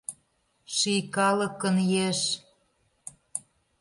Ший калыкын еш».